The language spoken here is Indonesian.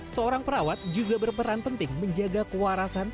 seorang perawat juga berperan penting menjaga kewarasan